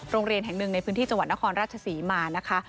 โรงเรียนแห่งหนึ่งในพื้นที่จังหวัดนครราชศรีมานะคะ